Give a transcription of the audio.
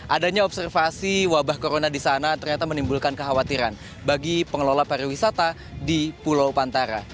adanya observasi wabah corona di sana ternyata menimbulkan kekhawatiran bagi pengelola pariwisata di pulau pantara